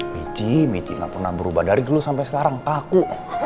biji michi gak pernah berubah dari dulu sampai sekarang kaku